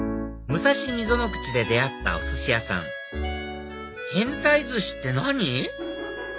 武蔵溝ノ口で出会ったおすし屋さん変タイ鮨って何？